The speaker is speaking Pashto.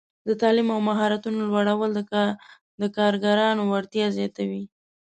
د تعلیم او مهارتونو لوړول د کارګرانو وړتیا زیاتوي.